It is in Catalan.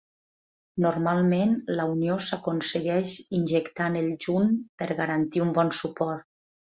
Normalment, la unió s'aconsegueix injectant el junt per garantir un bon suport.